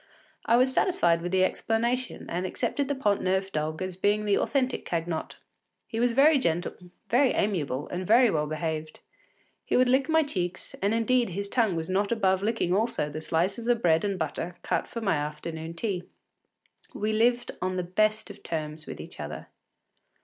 I was satisfied with the explanation and accepted the Pont Neuf dog as being the authentic Cagnotte. He was very gentle, very amiable, and very well behaved. He would lick my cheeks, and indeed his tongue was not above licking also the slices of bread and butter cut for my afternoon tea. We lived on the best of terms with each other.